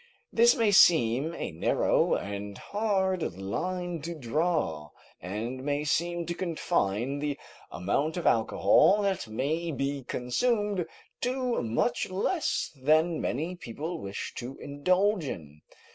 This may seem a narrow and hard line to draw, and may seem to confine the amount of alcohol that may be consumed to much less than many people wish to indulge in.